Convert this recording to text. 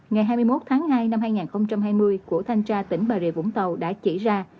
ngày hai mươi một tháng hai năm hai nghìn hai mươi của thanh tra tỉnh bà rịa vũng tàu đã chỉ ra